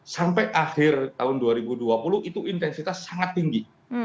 sampai akhir tahun dua ribu dua puluh itu intensitas sangat tinggi